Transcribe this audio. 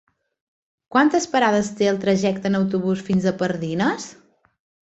Quantes parades té el trajecte en autobús fins a Pardines?